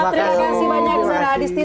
terima kasih banyak nura adisti